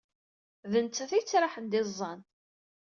D nettat ay yettraḥen d iẓẓan.